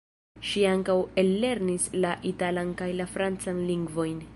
Ŝi ankaŭ ellernis la italan kaj la francan lingvojn.